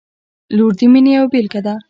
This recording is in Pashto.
• لور د مینې یوه بېلګه ده.